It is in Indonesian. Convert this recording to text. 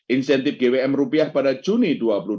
insentif gwm rupiah pada juni